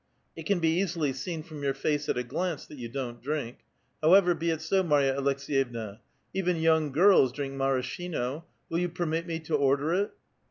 ''It can be easily seen from your face at a glance that you don't drink. However, be it so, Marya Aleks6yevna ; even young girls drink maraschino; will you permit me to order it